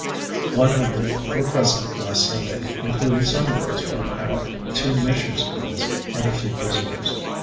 One hundred were present last Sunday, including some girls from our two mission schools, and a few visitors.